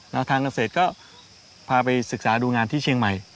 แล้วทางเกษตรก็พาไปศึกษาดูงานที่เชียงใหม่